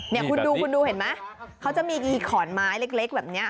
นี่คุณดูคุณดูเห็นไหมเขาจะมีขอนไม้เล็กแบบนี้